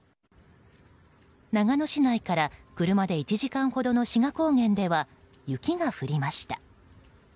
長野市内から車で１時間ほどの志賀高原では雪が降りました。